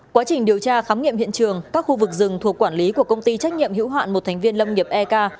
quá trình điều tra khám nghiệm hiện trường các khu vực rừng thuộc quản lý của công ty trách nhiệm hữu hạn một thành viên lâm nghiệp ek